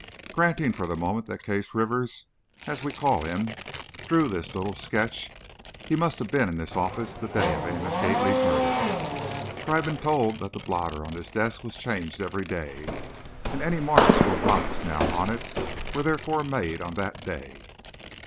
Granting, for the moment, that Case Rivers, as we call him, drew this little sketch, he must have been in this office the day of Amos Gately's murder. For I've been told that the blotter on this desk was changed every day, and any marks or blots now on it were therefore made on that day.